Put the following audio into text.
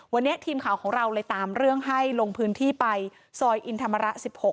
วันนี้ทีมข่าวของเราเลยตามเรื่องให้ลงพื้นที่ไปซอยอินธรรมระ๑๖